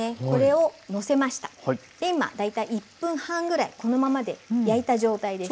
今大体１分半ぐらいこのままで焼いた状態です。